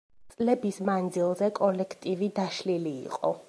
წლების მანძილზე კოლექტივი დაშლილი იყო.